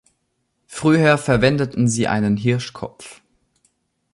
Früher verwendeten sie einen Hirschkopf.